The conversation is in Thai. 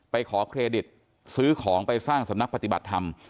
ขอเครดิตซื้อของไปสร้างสำนักปฏิบัติธรรม